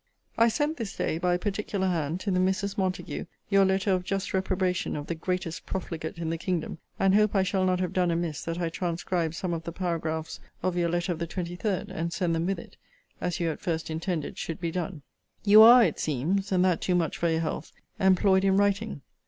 I sent this day, by a particular hand, to the Misses Montague, your letter of just reprobation of the greatest profligate in the kingdom; and hope I shall not have done amiss that I transcribe some of the paragraphs of your letter of the 23d, and send them with it, as you at first intended should be done. You are, it seems, (and that too much for your health,) employed in writing.